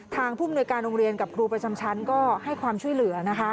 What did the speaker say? ทางภูมิประจำกับครูประชำชั้นก็ให้ความช่วยเหลือ